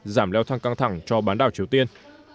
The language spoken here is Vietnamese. giảm leo thang căng thẳng cho bán đảo triều tiên